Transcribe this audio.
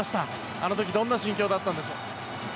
あの時どんな心境だったんでしょう。